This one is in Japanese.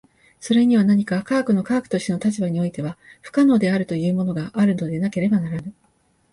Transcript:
それには何か科学の科学としての立場においては不可能であるというものがあるのでなければならぬ。